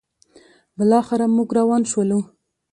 بالاخره موږ روان شولو: